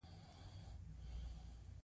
یوه بله خبره پر وکړه چې را وګرځي.